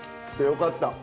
来てよかった。